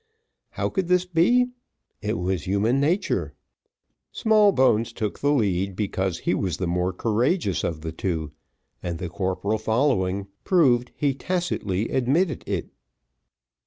How could this be? It was human nature. Smallbones took the lead, because he was the more courageous of the two, and the corporal following, proved he tacitly admitted it.